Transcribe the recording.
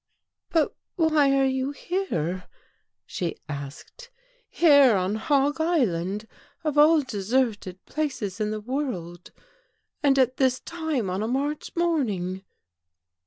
" But why are you here?" she asked, "here on Hog Island of all deserted places in the world, and at this time on a March morning?